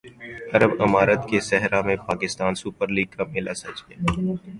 عرب امارات کے صحرا میں پاکستان سپر لیگ کا میلہ سج گیا